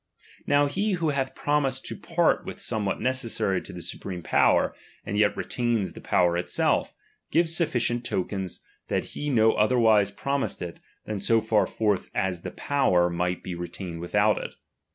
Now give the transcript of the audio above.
Now he who hath promised to part with somewhat necessary to the supreme power, and yet retains the power itself, gives sufficient tokens that he no otherwise promised it, than so far forth as the power might be retained without it.